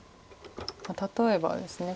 例えばですね